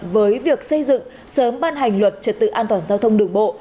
với việc xây dựng sớm ban hành luật trật tự an toàn giao thông đường bộ